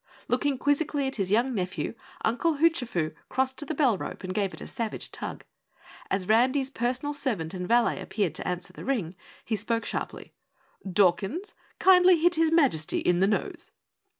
Looking quizzically at his young nephew, Uncle Hoochafoo crossed to the bell rope and gave it a savage tug. As Randy's personal servant and valet appeared to answer the ring, he spoke sharply, "Dawkins, kindly hit His Majesty in the nose!"